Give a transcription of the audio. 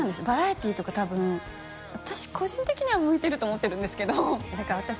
バラエティーとか多分私個人的には向いてると思ってるんですけどだから